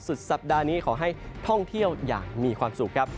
สุดสัปดาห์นี้ขอให้ท่องเที่ยวอย่างมีความสุขครับ